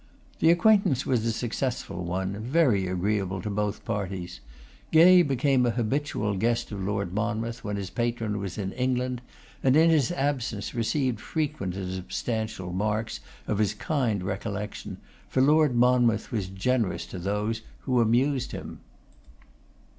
The acquaintance was a successful one; very agreeable to both parties. Gay became an habitual guest of Lord Monmouth when his patron was in England; and in his absence received frequent and substantial marks of his kind recollection, for Lord Monmouth was generous to those who amused him.